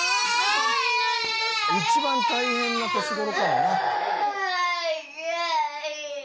一番大変な年頃かもな。